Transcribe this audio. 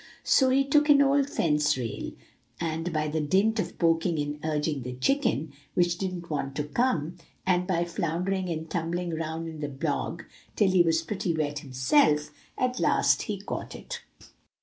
So he took an old fence rail; and by dint of poking and urging the chicken, which didn't want to come, and by floundering and tumbling round in the bog till he was pretty wet himself, at last he caught it.